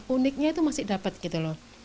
uniknya itu masih dapat gitu loh